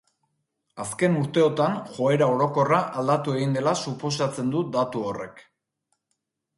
Azken urteotan joera orokorra aldatu egin dela suposatzen du datu horrek.